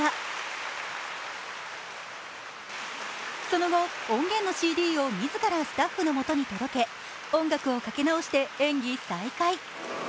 その後、音源のＣＤを自らスタッフのもとに届け音楽をかけ直して演技再開。